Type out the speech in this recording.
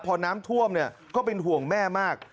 พอน้ำท่วมก็เป็นห่วงแม่มาก